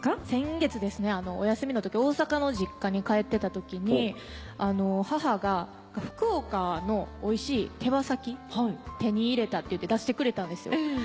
先月ですねお休みのとき大阪の実家に帰ってたときに母が福岡のおいしい手羽先手に入れたっていって出してくれたんですよ。